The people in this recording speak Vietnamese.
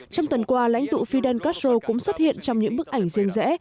trong tuần qua lãnh tụ fidel castro cũng xuất hiện trong những bức ảnh riêng rẽ